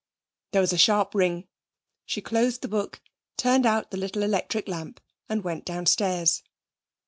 There was a sharp ring. She closed the book, turned out the little electric lamp and went downstairs.